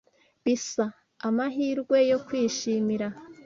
bisa, amahirwe yo kwishimira!